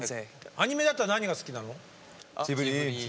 アニメだったら何が好きなの？